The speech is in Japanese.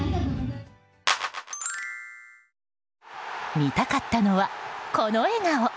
見たかったのは、この笑顔！